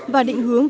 và định hướng